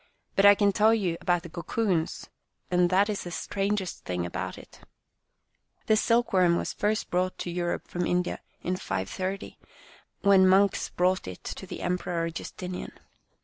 But I can tell you about the cocoons, and that is the strangest thing about it. The silkworm was first brought to Europe from India in 530, when monks brought it to the Rainy Days 83 Emperor Justinian.